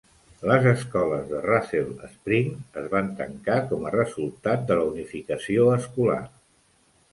Les escoles de Russell Springs es van tancar com a resultat de la unificació escolar.